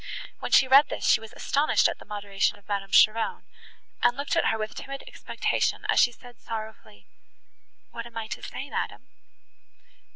When she read this, she was astonished at the moderation of Madame Cheron, and looked at her with timid expectation, as she said sorrowfully—"What am I to say, madam?"